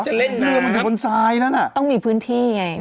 เพราะจะเล่นน้ำเรือมันอยู่บนซ้ายนั้นอ่ะต้องมีพื้นที่ไง